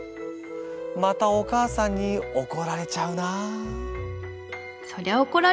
またお母さんに怒られちゃうな」。